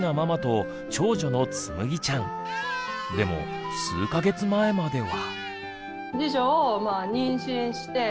でも数か月前までは。